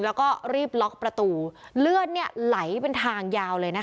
แล้วก็รีบล็อกประตูเลือดเนี่ยไหลเป็นทางยาวเลยนะคะ